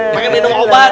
kangen minum obat